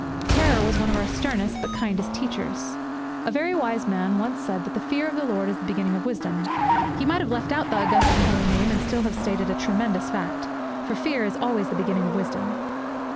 Terror was one of our sternest but kindest teachers. A very wise man once said that the fear of the Lord is the beginning of wisdom. He might have left out the august and holy Name, and still have stated a tremendous fact; for fear is always the beginning of wisdom.